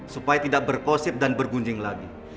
supaya tidak berkosip dan bergunjing lagi